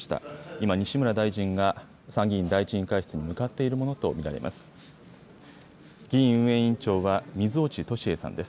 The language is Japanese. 今、西村大臣が参議院第１委員会室に向かっているものと見られます。